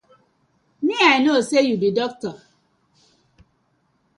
Mi I no say yu bi dokta.